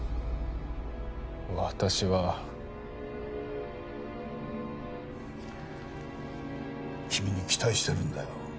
私は君に期待してるんだよ